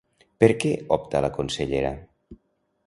Per què opta la consellera?